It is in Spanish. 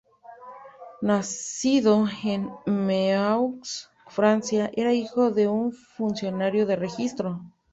Nacido en Meaux, Francia, era hijo de un funcionario de registro.